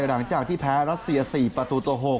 หลังจากที่แพ้รัสเซีย๔ประตูต่อ๖